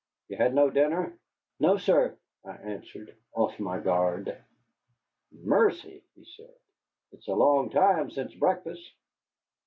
"You had no dinner?" "No, sir," I answered, off my guard. "Mercy!" he said. "It is a long time since breakfast."